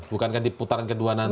bukankah di putaran kedua nanti